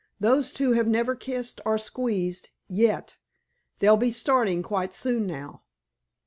Those two have never kissed or squeezed—yet. They'll be starting quite soon now."